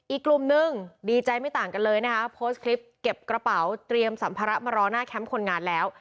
อีกกลุ่มนึงดีใจไม่ต่างกันเลยนะคะโพสต์คลิปเก็บกระเป๋าเตรียมสัมภาระมารอหน้าแคมป์คนงานแล้ว